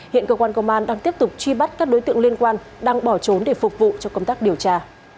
hiện cơ quan công an đang tiếp tục truy bắt các đối tượng liên quan đang bỏ trốn để phục vụ cho công tác điều tra